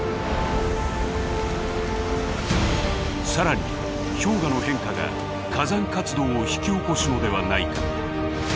更に氷河の変化が火山活動を引き起こすのではないか。